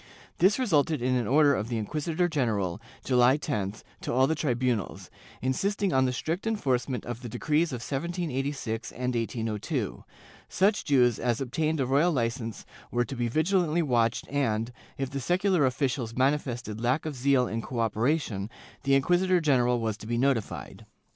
* This resulted in an order of the inquisitor general, July 10th, to all the tribunals, insisting on the strict enforcement of the decrees of 1786 and 1802; such Jews as obtained a royal licence were to be vigilantly watched and, if the secular officials manifested lack of zeal in cooperation, the inquisitor general was to be notified.